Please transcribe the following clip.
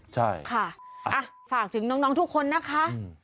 ใช่ค่ะฝากถึงน้องทุกคนนะคะ